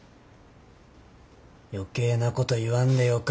余計なこと言わんでよか。